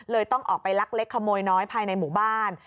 ต้องออกไปลักเล็กขโมยน้อยภายในหมู่บ้าน